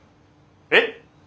えっ！？